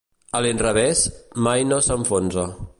A l'inrevés, mai no s'enfonsa.